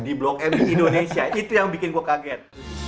di blok m indonesia itu yang bikin gue kaget